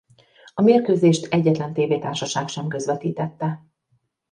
A mérkőzést egyetlen tévétársaság sem közvetítette.